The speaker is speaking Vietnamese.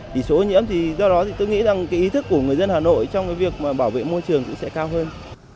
tỷ số ô nhiễm thì do đó thì tôi nghĩ rằng cái ý thức của người dân hà nội trong cái việc mà bảo vệ môi trường cũng sẽ cao hơn